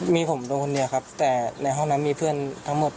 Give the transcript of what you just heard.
มีผมโดนคนเดียวครับแต่ในห้องนั้นมีเพื่อนทั้งหมด